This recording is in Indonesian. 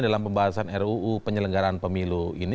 dalam pembahasan ruu penyelenggaran pemilu ini